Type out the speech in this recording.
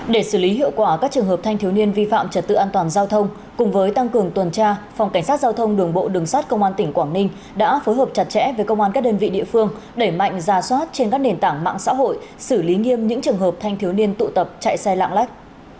để xử lý hiệu quả các trường hợp thanh thiếu niên vi phạm trật tự an toàn giao thông cùng với tăng cường tuần tra phòng cảnh sát giao thông đường bộ đường sát công an tỉnh quảng ninh đã phối hợp chặt chẽ với công an các đơn vị địa phương đẩy mạnh ra soát trên các nền tảng mạng xã hội xử lý nghiêm những trường hợp thanh thiếu niên tụ tập chạy xe lạng lách